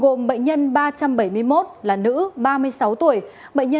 gồm bệnh nhân ba trăm bảy mươi một là nữ ba mươi sáu tuổi